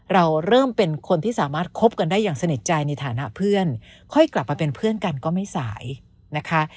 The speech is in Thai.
เราเริ่มเป็นคนที่สามารถคบกันได้อย่างสนิทใจในฐานะเพื่อนค่อยกลับมาเป็นเพื่อนกันก็ไม่สายนะคะ